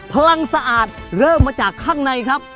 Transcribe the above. พลังสะอาดเริ่มมาจากข้างในครับ